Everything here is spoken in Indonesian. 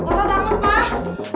bangun bangun bangun